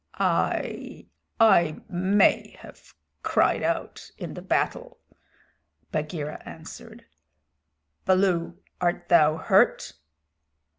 "I I may have cried out in the battle," Bagheera answered. "Baloo, art thou hurt?